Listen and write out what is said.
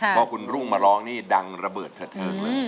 เพราะคุณรุ่งมาร้องนี่ดังระเบิดเถอะเลย